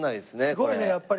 すごいねやっぱり。